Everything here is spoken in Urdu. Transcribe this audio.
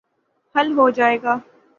حل ہو جائے گا۔